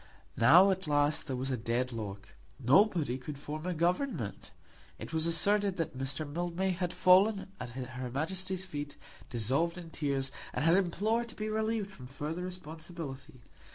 Now at last there was a dead lock. Nobody could form a government. It was asserted that Mr. Mildmay had fallen at her Majesty's feet dissolved in tears, and had implored to be relieved from further responsibility.